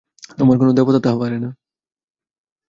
তোমার কোনো দেবতা তাহা পারে না।